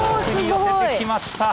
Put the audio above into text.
よせてきました。